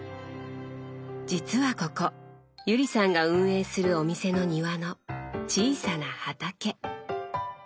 実はここ友里さんが運営するお店の庭の「小さな畑」。